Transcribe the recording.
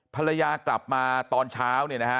ภรรยากลับมาตอนเช้าเนี่ยนะฮะ